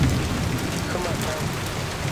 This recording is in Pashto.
ښه ماښام